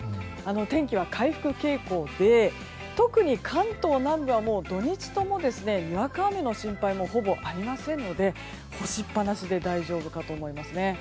天気は回復傾向で特に関東南部は土日ともにわか雨の心配もほぼありませんので干しっぱなしで大丈夫かと思いますね。